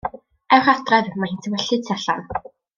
Ewch adref, mae hi'n tywyllu tu allan.